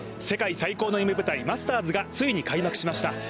世界最高の夢舞台マスターズがついに開幕しました。